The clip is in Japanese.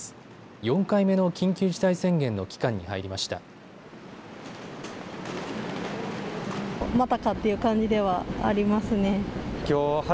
４回目の緊急事態宣言の期間に入りました。